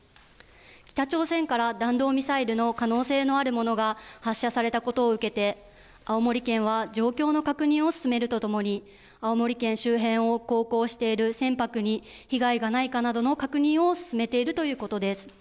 北朝鮮から弾道ミサイルの可能性のあるものが発射されたことを受けて、青森県は状況の確認を進めるとともに、青森県周辺を航行している船舶に被害がないかなどの確認を進めているということです。